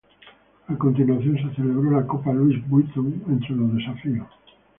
A continuación se celebró la Copa Louis Vuitton entre los desafíos.